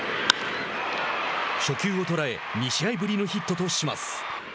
初球を捉え２試合ぶりのヒットとします。